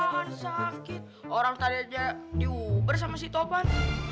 jangan sakit orang tadi aja diuber sama si topan